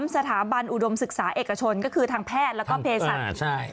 สถาบันอุดมศึกษาเอกชนก็คือทางแพทย์แล้วก็เพศศาสตร์